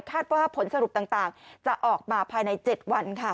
ว่าผลสรุปต่างจะออกมาภายใน๗วันค่ะ